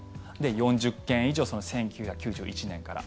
４０件以上、１９９１年から。